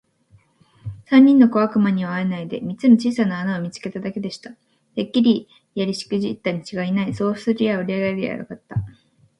三人の小悪魔にはあえないで、三つの小さな穴を見つけただけでした。「てっきりやりしくじったにちがいない。そうとすりゃおれがやりゃよかった。」